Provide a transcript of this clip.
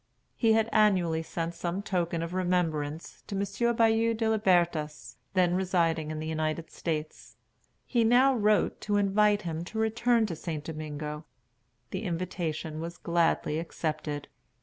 He had annually sent some token of remembrance to M. Bayou de Libertas, then residing in the United States. He now wrote to invite him to return to St. Domingo. The invitation was gladly accepted.